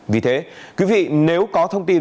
vì thế quý vị nếu có thông tin